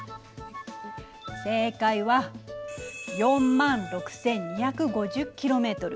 正解は４６，２５０ｋｍ。